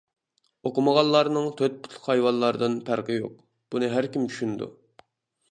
ئوقۇمىغانلارنىڭ تۆت پۇتلۇق ھايۋانلاردىن پەرقى يوق، بۇنى ھەركىم چۈشىنىدۇ.